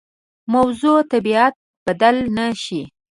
موضوع طبیعت بدل نه شي.